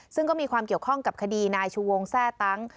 ซึ่งก็มีความเกี่ยวข้องกับคดีนายชูวงแทร่ตั้ง